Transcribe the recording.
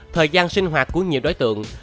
thời gian sinh hoạt của nhiều đối tượng